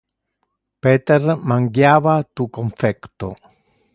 Peter mangiava tu confecto.